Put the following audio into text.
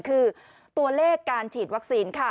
คือตัวเลขการฉีดวัคซีนค่ะ